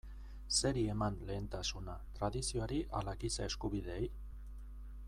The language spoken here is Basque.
Zeri eman lehentasuna, tradizioari ala giza eskubideei?